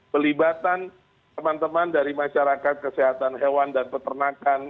pelibatan teman teman dari masyarakat kesehatan hewan dan peternakan